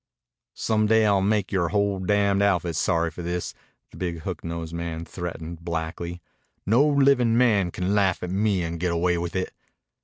"Some day I'll make yore whole damned outfit sorry for this," the big hook nosed man threatened blackly. "No livin' man can laugh at me and get away with it."